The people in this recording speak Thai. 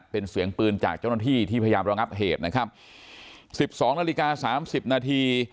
เป็นเสียงปืนจากเจ้าหน้าที่ที่พยายามระงับเหตุนะครับสิบสองนาฬิกาสามสิบนาที